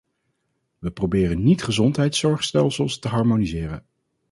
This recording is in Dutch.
We proberen niet gezondheidszorgstelsels te harmoniseren.